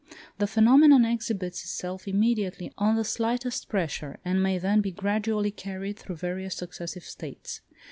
The phenomenon exhibits itself immediately on the slightest pressure, and may then be gradually carried through various successive states.